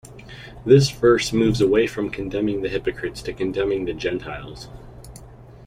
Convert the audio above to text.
This verse moves away from condemning the hypocrites to condemning the Gentiles.